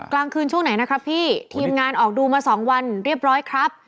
กลางคืนช่วงไหนนะครับพี่ทีมงานออกดูมาสองวันเรียบร้อยครับ